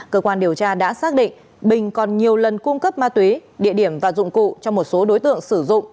cơ quan điều tra đã xác định bình còn nhiều lần cung cấp ma túy địa điểm và dụng cụ cho một số đối tượng sử dụng